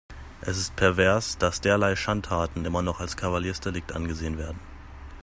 Es ist pervers, dass derlei Schandtaten immer noch als Kavaliersdelikt angesehen werden.